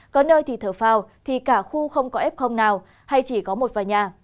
có nơi thì thở phào thì cả khu không có ép không nào hay chỉ có một vài nhà